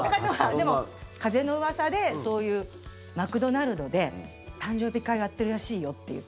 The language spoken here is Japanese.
でも、風のうわさでマクドナルドで誕生日会をやってるらしいよっていう。